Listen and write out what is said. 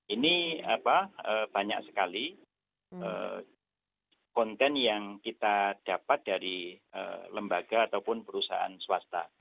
ini banyak sekali konten yang kita dapat dari lembaga ataupun perusahaan swasta